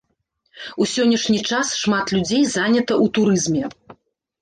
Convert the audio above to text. У сённяшні час шмат людзей занята ў турызме.